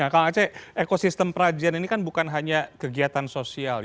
kang aceh ekosistem perajian ini kan bukan hanya kegiatan sosial